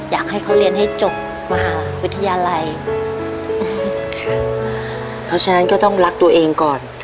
อยากให้เขาเรียนให้จบมหาวิทยาลัยเพราะฉะนั้นก็ต้องรักตัวเองก่อน